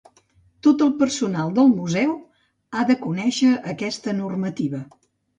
Tot el personal del museu ha de conèixer aquesta normativa.